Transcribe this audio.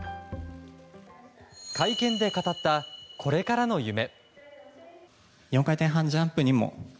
会見で語った、これからの夢。